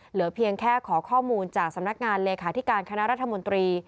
เหลือเพียงแค่ขอข้อมูลจากสำนักงานเลขาธิการคณะรัฐมนตรี